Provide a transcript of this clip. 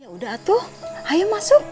yaudah atuh ayo masuk